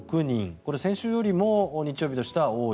これは先週よりも日曜日としては多い。